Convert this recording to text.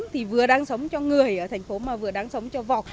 thì vừa đang sống cho người ở thành phố mà vừa đang sống cho vọc